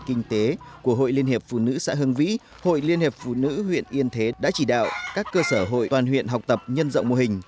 kinh tế của hội liên hiệp phụ nữ xã hưng vĩ hội liên hiệp phụ nữ huyện yên thế đã chỉ đạo các cơ sở hội toàn huyện học tập nhân rộng mô hình